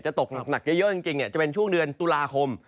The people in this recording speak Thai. ตกหนักเยอะจริงจะเป็นช่วงเดือนตุลาคม